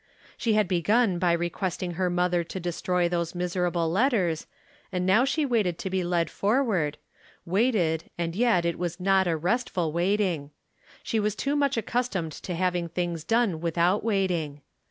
She had begun by requesting her mother to destroy those miserable letters, and now she waited to be led forward — waited, and yet it was not a restful waiting. She was too much accustomed to having things done without waiting.